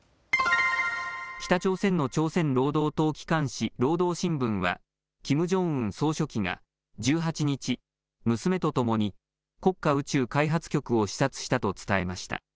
北朝鮮の朝鮮労働党機関紙、労働新聞はキム・ジョンウン総書記が１８日、娘とともに国家宇宙開発局を視察したと伝えました。